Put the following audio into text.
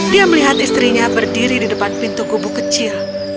dia melihat istrinya berdiri di depan pintu kubu kecil